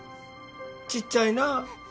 ちっちゃいな。